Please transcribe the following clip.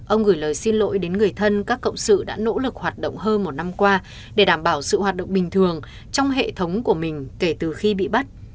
ông gửi lời xin lỗi đến người thân các cộng sự đã nỗ lực hoạt động hơn một năm qua để đảm bảo sự hoạt động bình thường trong hệ thống của mình kể từ khi bị bắt